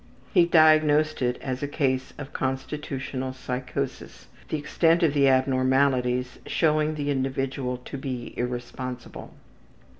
He diagnosed it as a case of constitutional psychosis; the extent of the abnormalities showing the individual to be irresponsible.